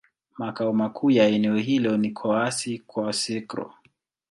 Makao makuu ya eneo hilo ni Kouassi-Kouassikro.